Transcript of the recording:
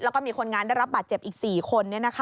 แล้วก็มีคนงานได้รับบาดเจ็บอีก๔คน